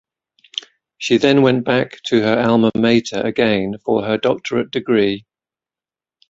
She then went back to her Alma mater again for her doctorate degree.